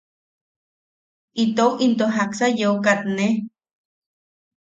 Itou into jaksa yeu kaatne.